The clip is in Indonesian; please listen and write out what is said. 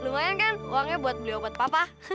lumayan kan uangnya buat beli obat papa